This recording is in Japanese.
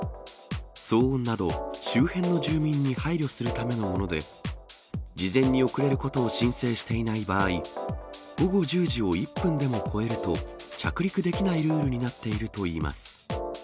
騒音など、周辺の住民に配慮するためのもので、事前に遅れることを申請していない場合、午後１０時を１分でも超えると、着陸できないルールになっているといいます。